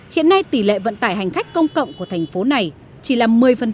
hiện nay tỷ lệ vận tải hành khách công cộng của thành phố này chỉ là một mươi